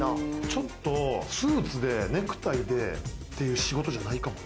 ちょっとスーツでネクタイのっていう仕事じゃないかも。